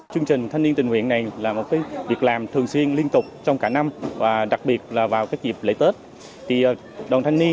chương trình thanh niên tình nguyện này là một việc làm thường xuyên liên tục trong cả năm và đặc biệt là vào các dịp lễ tết